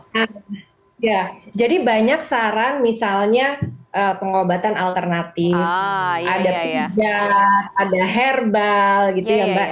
ya jadi banyak saran misalnya pengobatan alternatif ada kuda ada herbal gitu ya mbak